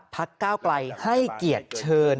พักเก้าไกรให้เกียจเชิญ